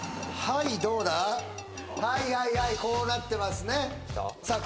はいはいはいこうなってますねさあ